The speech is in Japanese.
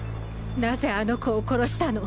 なぜあの子を殺したの？